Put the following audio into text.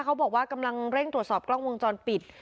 เขาบอกว่ากำลังเร่งตรวจสอบกล้องวงจรปิด